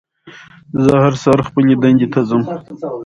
زه هر سهار خپلې دندې ته ځم